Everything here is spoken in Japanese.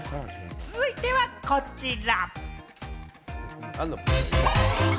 続いては、こちら。